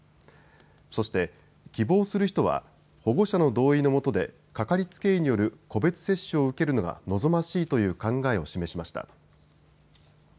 そして、希望する人は保護者の同意のもとで掛かりつけ医による個別接種を受けるのが望ましいという考えを示しました。